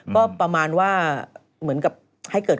ก็ประมาณว่าเหมือนกับให้เกิด